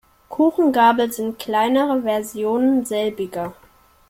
Kuchengabeln sind kleinere Versionen selbiger.